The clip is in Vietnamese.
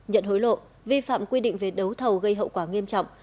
nhận hối lộ vi phạm quy định về đấu thầu gây hậu quả nghiêm trọng